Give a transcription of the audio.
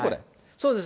そうです。